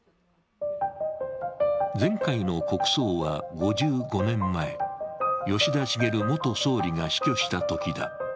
前回の国葬は５５年前、吉田茂元総理が死去したときだ。